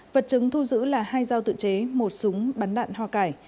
vật chứng thu giữ là hai dao tự chế một súng bắn đạn hoa cải